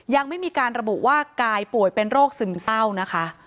ยังไม่มีการระบุว่ากายป่วยเป็นโรคซึมเศร้านะคะ